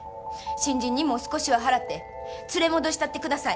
新人にも少しは払って連れ戻したってください。